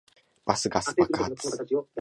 バスガス爆発